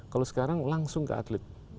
kalau sekarang langsung ke atlet